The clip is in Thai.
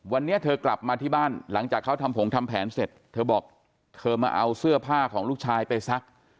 วันนี้เธอกลับมาที่บ้านหลังจากเขาทำผงทำแผนเสร็จเธอบอกเธอมาเอาเสื้อผ้าของลูกชายไปซัก